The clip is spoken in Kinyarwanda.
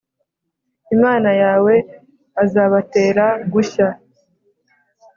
Imana yawe azabatera gushya